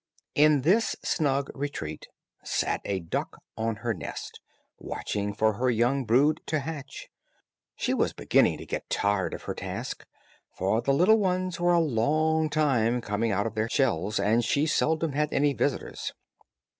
In this snug retreat sat a duck on her nest, watching for her young brood to hatch; she was beginning to get tired of her task, for the little ones were a long time coming out of their shells, and she seldom had any visitors.